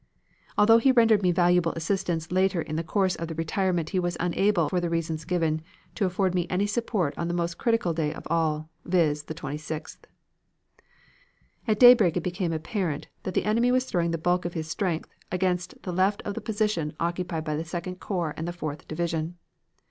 Although he rendered me valuable assistance later on in the course of the retirement, he was unable, for the reasons given, to afford me any support on the most critical day of all, viz., the 26th. "At daybreak it became apparent that the enemy was throwing the bulk of his strength against the left of the position occupied by the Second Corps and the Fourth Division.